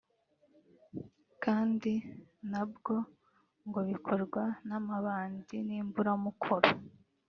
kandi na bwo ngo bigakorwa n’amabandi n’imburamukoro